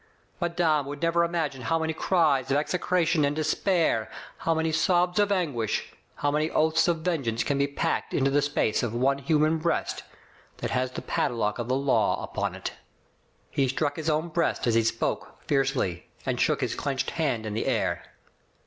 Madame would never imagine how many cries of execra tion and despair, how many sobs of anguish, how many oaths of vengeance can be packed into the space of one human breast, that has the padlock of the Law upon it." Digitized by Google ^3^ THE FA TE OF EENELtA. He struck his own breast as he spoke fiercely, and shook his clenched hand in the air.